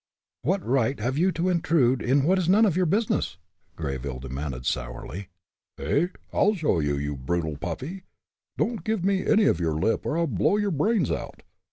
"What right have you to intrude in what is none of your business?" Greyville demanded, sourly. "Eh! I'll show you, you brutal puppy! Don't give me any of your lip, or I'll blow your brains out.